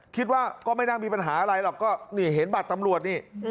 ก็ไม่น่ามีปัญหาอะไรหรอกก็นี่เห็นบัตรตำรวจนี่